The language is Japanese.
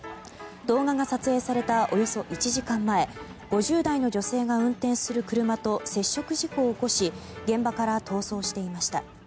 動画が撮影されたおよそ１時間前５０代の女性が運転する車と接触事故を起こし現場から逃走していました。